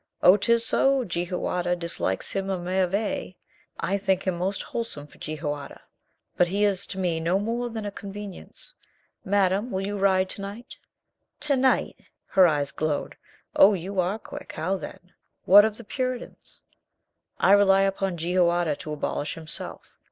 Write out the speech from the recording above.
Oh, 'tis so. Jehoiada dis likes him a merveille. I think him most wholesome for Jehoiada. But he is to me no more than a con venience. Madame, will you ride to night?" "To night?" Her eyes glowed. "Oh, you are quick. How, then? What of the Puritans?" "I rely upon Jehoiada to abolish himself.